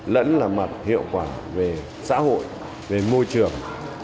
lẫn là mặt hiệu quả về xã hội về môi trường